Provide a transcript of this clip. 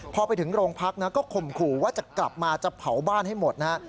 พอไปถึงโรงพักนะก็ข่มขู่ว่าจะกลับมาจะเผาบ้านให้หมดนะฮะ